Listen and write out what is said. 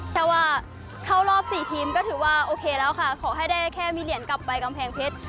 แค่ว่าเข้ารอบ๔ทีมก็ถือว่าโอเคแล้วค่ะขอให้ได้แค่มีเหรียญกลับไปกำแพงเพชร